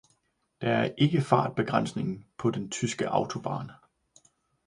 Der er ikke fartbegrænsning på den tyske autobahn